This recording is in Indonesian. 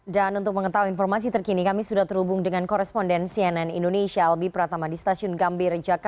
dan untuk mengetahui informasi terkini kami sudah terhubung dengan koresponden cnn indonesia albi pratama di stasiun gambir